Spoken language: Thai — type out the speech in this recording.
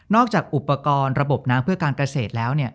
จากอุปกรณ์ระบบน้ำเพื่อการเกษตรแล้ว